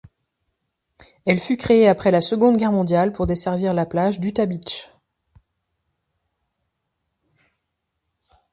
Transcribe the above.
Elle fut créée après la Seconde Guerre mondiale pour desservir la plage d'Utah Beach.